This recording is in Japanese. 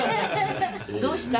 どうした？